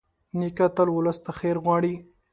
نیکه تل ولس ته خیر غواړي.